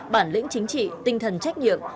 bản lĩnh chính trị tinh thần trách nhiệm